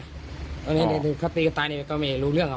ขัดตีกับตายนี้ก็ไม่รู้เรื่องเหรอ